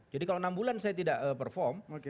jadi kalau enam bulan saya tidak perform